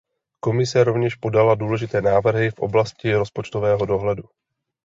Komise rovněž podala důležité návrhy v oblasti rozpočtového dohledu.